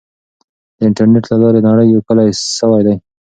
د انټرنیټ له لارې نړۍ یو کلی سوی دی.